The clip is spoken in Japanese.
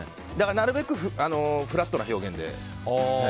なるべくフラットな表現で。